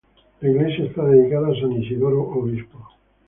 La iglesia está dedicada a san Isidoro obispo.